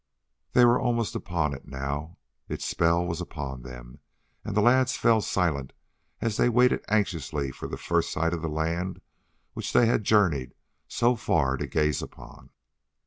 They were almost upon it now. Its spell was upon them and the lads fell silent as they waited anxiously for the first sight of the land which they had journeyed so far to gaze upon.